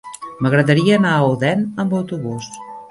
M'agradaria anar a Odèn amb autobús.